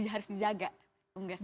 harus dijaga unggas